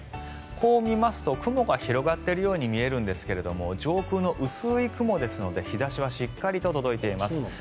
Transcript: こう見ますと雲が広がっているように見えるんですが上空の薄い雲ですので日差しはしっかり届いています。